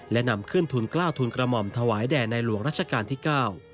และนำขึ้นทุนกล้าวทุนกระหม่อมถวายแด่ในหลวงรัชกาลที่๙